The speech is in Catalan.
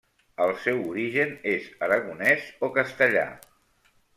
El seu origen és aragonès o castellà.